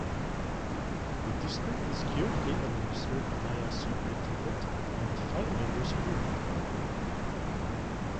The district is currently administered by a superintendent and a five-member school board.